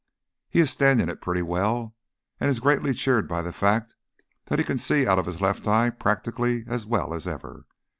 "He is standing it pretty well, and is greatly cheered by the fact that he can see out of his left eye practically as well as ever.